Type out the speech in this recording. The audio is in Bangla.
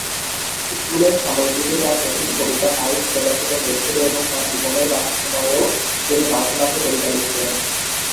স্কুলের সাময়িকীতে তার প্রথম কবিতা "নাইট" প্রকাশিত হয়েছিল এবং তার জীবনের বাকি সময়েও তিনি মাঝে মাঝে কবিতা লিখতেন।